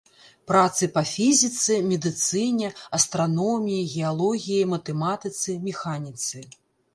Працы па фізіцы, медыцыне, астраноміі, геалогіі, матэматыцы, механіцы.